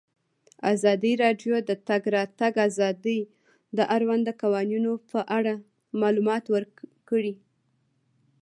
ازادي راډیو د د تګ راتګ ازادي د اړونده قوانینو په اړه معلومات ورکړي.